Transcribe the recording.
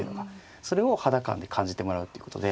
それを肌感で感じてもらうっていうことで。